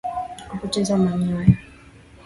Kupoteza manyoya